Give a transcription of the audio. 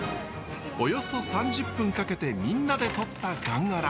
およそ３０分かけてみんなでとったガンガラ。